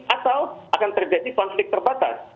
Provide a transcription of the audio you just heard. atau akan terjadi konflik terbatas